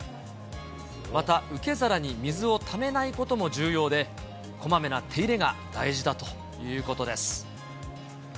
また、受け皿に水をためないことも重要で、こまめな手入れが大事だということです。